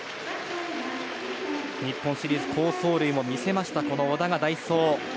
日本シリーズ好走塁も見せました小田が代走。